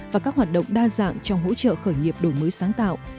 và các hoạt động đa dạng trong hỗ trợ khởi nghiệp đổi mới sáng tạo